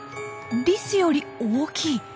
リスより大きい。